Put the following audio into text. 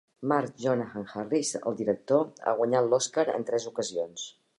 Mark Jonathan Harris, el director, ha guanyat l'Oscar en tres ocasions.